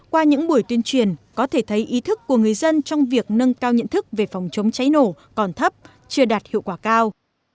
qua những buổi tuyên truyền có thể thấy ý thức của người dân trong việc nâng cao nhận thức về phòng chống cháy nổ còn thấp chưa đạt hiệu quả cao